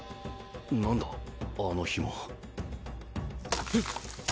何だあのひもうっ！？